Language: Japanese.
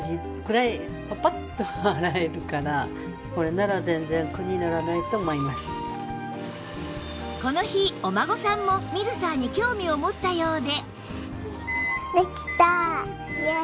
さらにこの日お孫さんもミルサーに興味を持ったようで